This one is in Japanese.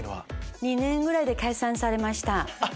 ２年ぐらいで解散されました。